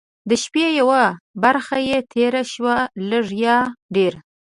د شپې یوه برخه چې تېره شوه لږ یا ډېر.